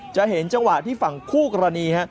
จะเห็นจังหวะที่ฝั่งคู่กรณี